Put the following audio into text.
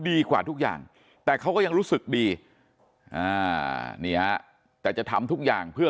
ดีกว่าทุกอย่างแต่เขาก็ยังรู้สึกดีอ่านี่ฮะแต่จะทำทุกอย่างเพื่อ